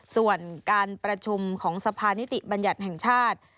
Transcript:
ส่วนการประชุมของสภานิติบัญญัติแห่งชาติ